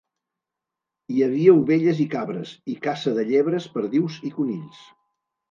Hi havia ovelles i cabres, i caça de llebres, perdius i conills.